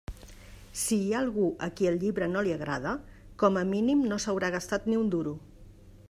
Si hi ha algú a qui el llibre no li agrada, com a mínim no s'haurà gastat ni un duro.